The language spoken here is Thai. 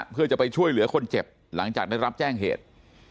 เพื่อจะไปช่วยเหลือคนเจ็บหลังจากได้รับแจ้งเหตุ